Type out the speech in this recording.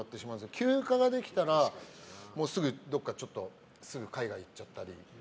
休暇ができたらすぐどこか海外に行っちゃったり。